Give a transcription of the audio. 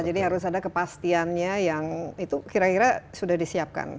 jadi harus ada kepastiannya yang itu kira kira sudah disediakan